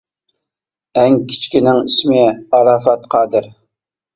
ئەڭ كىچىكنىڭ ئىسمى ئاراپات قادىر.